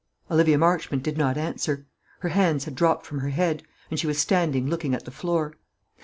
Olivia Marchmont did not answer. Her hands had dropped from her head, and she was standing looking at the floor.